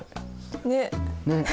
ねっ。